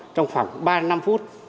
trong khoảng ba năm